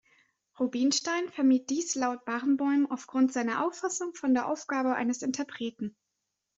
Rubinstein vermied dies laut Barenboim aufgrund seiner Auffassung von der Aufgabe eines Interpreten.